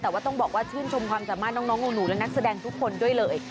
แต่ว่าต้องบอกว่าชื่นชมความสามารถน้องหนูและนักแสดงทุกคนด้วยเลย